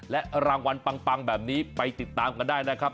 และรางวัลปังแบบนี้ไปติดตามกันได้นะครับ